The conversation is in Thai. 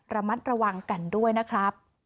ระมัดระวังกันด้วยนะครับ